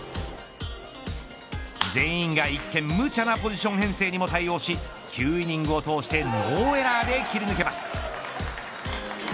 全員が一見むちゃなポジション編成にも対応し９イニングを通してノーエラーで切り抜けます。